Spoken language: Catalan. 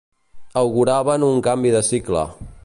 Auguraven un canvi de cicle.